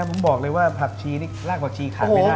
ผมบอกเลยว่ารากผักชีขาดไม่ได้